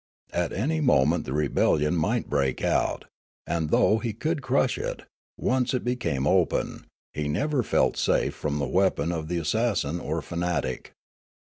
At an}' mo ment the rebellion might break out, and, though he could crush it, once it became open, he never felt safe from the weapon of the assassin or fanatic.